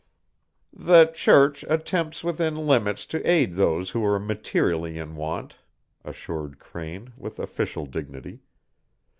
"The Church attempts within limits to aid those who are materially in want," assured Crane, with official dignity.